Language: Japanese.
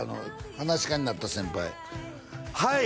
噺家になった先輩はい！